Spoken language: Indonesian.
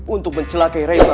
untuk mencelakai reva